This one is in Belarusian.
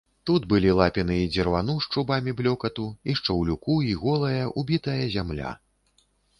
Тут былі лапіны і дзірвану з чубамі блёкату і шчаўлюку і голая, убітая зямля.